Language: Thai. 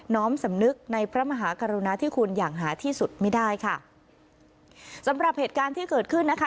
้อมสำนึกในพระมหากรุณาที่คุณอย่างหาที่สุดไม่ได้ค่ะสำหรับเหตุการณ์ที่เกิดขึ้นนะคะ